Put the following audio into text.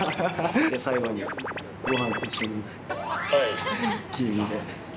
最後にごはんと一緒に黄身で。